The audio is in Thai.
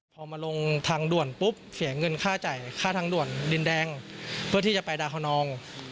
พอมาลงทางด่วนปุ๊บเสียเงินค่าจ่ายค่าทางด่วนดินแดงเพื่อที่จะไปดาวคนอง